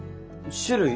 種類？